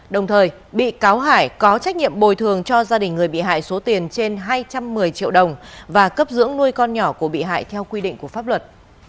đồng thời bị cáo hải có trách nhiệm bồi thường cho gia đình người bị hại số tiền trên hai trăm một mươi triệu đồng và cấp dưỡng nuôi con nhỏ của bị hại theo quy định của pháp luật